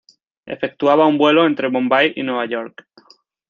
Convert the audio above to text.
Efectuaba un vuelo entre Bombay y Nueva York.